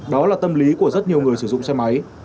đó là tâm lý của rất nhiều người sử dụng xe máy